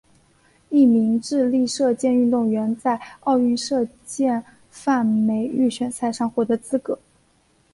一名智利射箭运动员在奥运射箭泛美预选赛上获得资格。